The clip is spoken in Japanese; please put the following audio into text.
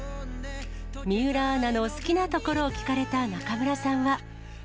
水卜アナの好きなところを聞かれた中村さんは。